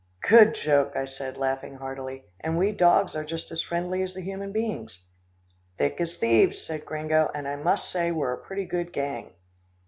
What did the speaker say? "Good joke," I said laughing heartily, "and we dogs are just as friendly as the human beings." "Thick as thieves," said Gringo, "and I must say we're a pretty good gang."